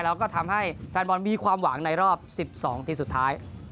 แล้วก็ทำให้แฟนบอลมีความหวังในรอบ๑๒ทีสุดท้าย